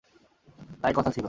তাই কথা ছিল।